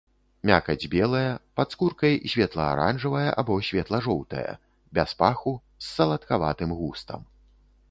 Мякаць белая, пад скуркай светла-аранжавая або светла-жоўтая, без паху, з саладкаватым густам.